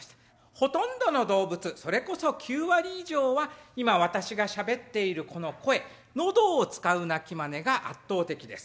ほとんどの動物それこそ９割以上は今私がしゃべっているこの声喉を使う鳴きまねが圧倒的です。